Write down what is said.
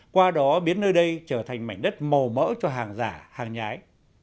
qua đó biến nơi đây trở thành mảnh đất màu mỡ cho hàng giả hàng nhái